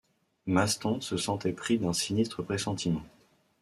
Maston se sentait pris d’un sinistre pressentiment.